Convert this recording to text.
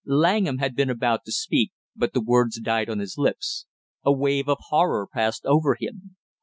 Langham had been about to speak but the words died on his lips; a wave of horror passed over him.